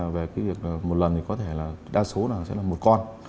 về cái việc một lần thì có thể là đa số là một con